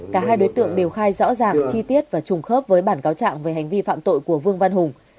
cả hai đối tượng đều khai rõ ràng chi tiết và trùng khớp với bản cáo trạng về hành vi phạm tội của vương văn hùng